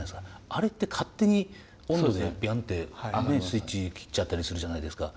あれって勝手に温度でビャンってスイッチ切っちゃったりするじゃないですか。